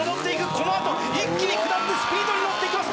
このあと一気に下ってスピードに乗っていきます